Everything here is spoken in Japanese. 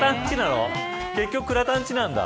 結局、倉田んちなんだ。